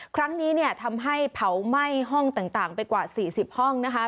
ครั้งนี้ทำให้เผาไหม้ห้องต่างไปกว่า๔๐ห้องนะคะ